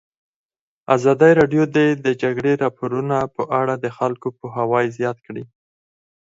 ازادي راډیو د د جګړې راپورونه په اړه د خلکو پوهاوی زیات کړی.